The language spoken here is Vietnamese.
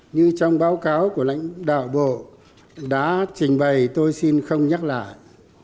như trong báo cáo của lãnh đạo bộ đã trình bày tôi xin không nhắc lại